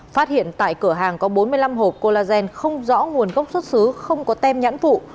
phát hiện tại cửa hàng có bốn mươi năm hộp collagen không rõ nguồn gốc xuất xứ không có tem nhãn phụ